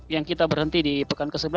yang kita berhenti di pekan ke sebelas